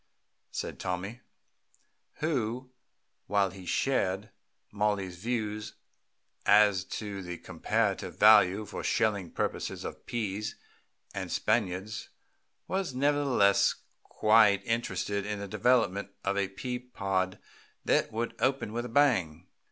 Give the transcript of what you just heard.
said Tommy, who, while he shared Mollie's views as to the comparative value for shelling purposes of peas and Spaniards, was nevertheless quite interested in the development of a pea pod that would open with a bang.